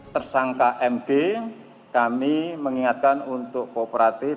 tersangka md kami mengingatkan untuk kooperatif